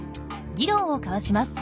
議論を交わします。